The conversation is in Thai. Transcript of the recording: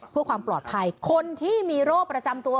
เพื่อความปลอดภัยคนที่มีโรคประจำตัว